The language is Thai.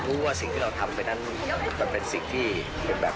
สวัสดีครับคุณผู้ชมต้อนรับคุณผู้ชมเข้าสู่ชูวิตตีแสกหน้าปีใหม่แล้ว